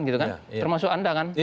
termasuk anda kan